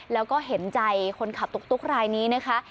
แล้วก็เห็นใจคนขับตุ๊กรายนี้นะคะ